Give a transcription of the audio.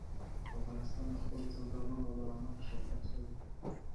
افغانستان د خپلو زردالو له امله شهرت لري.